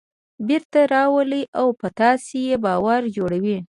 بېرته راولي او په تاسې یې باور جوړوي.